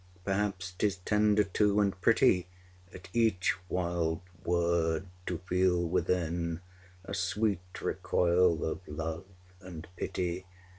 Perhaps 'tis tender too and pretty 670 At each wild word to feel within A sweet recoil of love and pity.